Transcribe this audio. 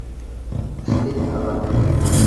Still Alive...